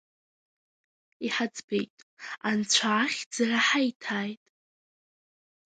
Иҳаӡбеит анцәа ахьӡара ҳаиҭааит!